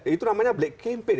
itu namanya black campaign